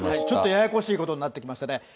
ちょっと、ややこしいことになってきましたね。